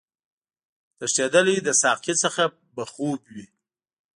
تښتېدلی له ساقي څخه به خوب وي